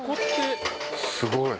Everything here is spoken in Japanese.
すごい。